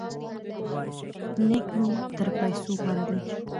نیک نوم تر پیسو غوره دی.